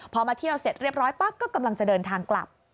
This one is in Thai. พอมาเที่ยวเสร็จเรียบร้อยปั๊บก็กำลังจะเดินทางกลับ